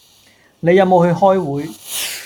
你有冇去開會